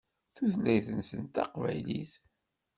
Tutlayt-nsen d taqbaylit.